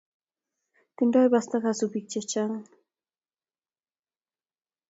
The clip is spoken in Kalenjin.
Tindo pasta kasubik che chang